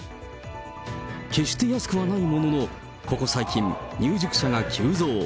決して安くはないものの、ここ最近、入塾者が急増。